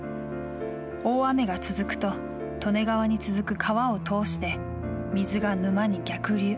大雨が続くと、利根川に続く川を通して水が沼に逆流。